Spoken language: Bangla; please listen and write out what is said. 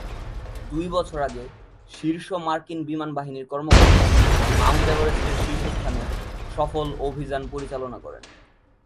দুই বছর আগে, শীর্ষ মার্কিন বিমান বাহিনীর কর্মকর্তা মাউন্ট এভারেস্টের শীর্ষস্থানে সফল অভিযান পরিচালনা করেন।